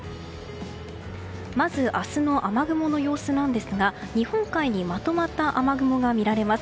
まず、明日の雨雲の様子なんですが日本海にまとまった雨雲が見られます。